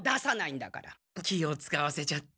気をつかわせちゃって。